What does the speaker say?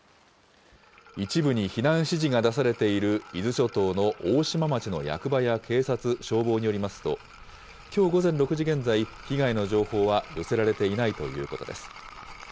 一部に避難指示が出されている伊豆諸島の大島町の役場や警察、消防によりますと、きょう午前６時現在、被害の情報は寄せられていないということです。